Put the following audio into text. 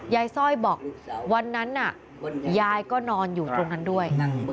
สร้อยบอกวันนั้นน่ะยายก็นอนอยู่ตรงนั้นด้วย